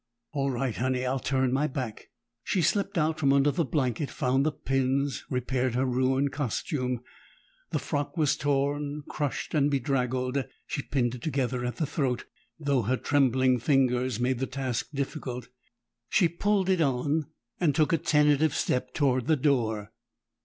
"All right, Honey. I'll turn my back." She slipped out from under the blanket, found the pins, and repaired her ruined costume. The frock was torn, crushed and bedraggled; she pinned it together at the throat, though her trembling fingers made the task difficult. She pulled it on and took a tentative step toward the door.